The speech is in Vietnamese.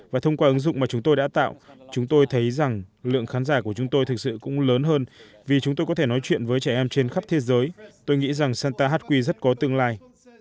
và thông qua ứng dụng mà chúng tôi đã tạo chúng tôi thấy rằng lượng khán giả của chúng tôi thực sự cũng lớn hơn vì chúng tôi có thể nói chuyện với trẻ em trên khắp thế giới tôi nghĩ rằng santa hát quy rất có tương lai